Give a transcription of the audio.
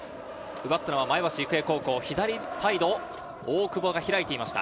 奪ったのは前橋育英高校、左サイド、大久保が開いていました。